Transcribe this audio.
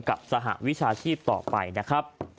สหวิชาชีพต่อไปนะครับ